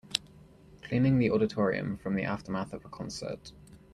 Cleaning the auditorium from the aftermath of a concert.